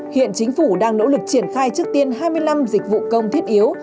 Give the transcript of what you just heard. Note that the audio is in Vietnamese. hiện chính phủ đang nỗ lực triển khai trước tiên hai mươi năm dịch vụ công thiết yếu